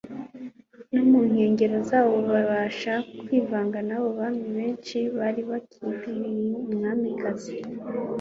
no mu nkengero zawo babasha kwivanga n'abo banhi benshi bari baktirikiye Umukiza.